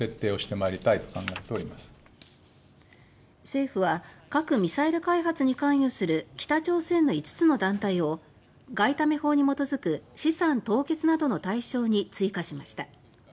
政府は、核・ミサイル開発に関与する北朝鮮の５つの団体を外為法に基づく資産凍結などの対象に追加しました。